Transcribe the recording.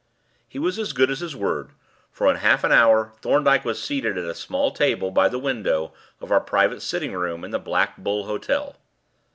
He was as good as his word, for in half an hour Thorndyke was seated at a small table by the window of our private sitting room in the Black Bull Hotel.